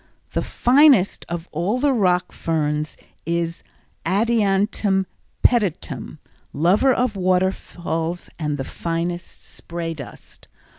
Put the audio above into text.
The finest of all the rock ferns is Adiantum pedatum, lover of waterfalls and the finest spray dust.